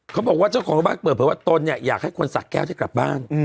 คราวนี้เค้าบอกว่าเฝอร์วัตตนเนี่ยอยากให้สะแก้วให้กลับบ้าน